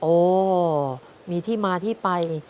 โอ้มีที่มาที่ไป